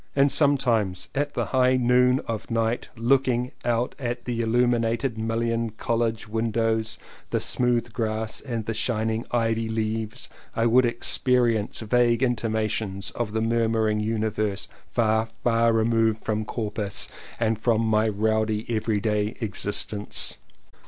And sometimes at the high noon of night looking out at the il lumined mullioned College windows, the smooth grass and the shining ivy leaves, I would experience vague intimations of the murmuring Universe far, far removed from Corpus and from my rowdy every day existence.